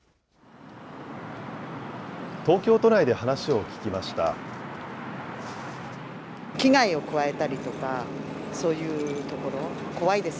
東京都内で話を聞きました。